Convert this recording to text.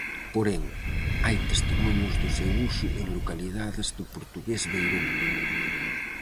Porén, hai testemuños do seu uso en localidades do portugués beirón.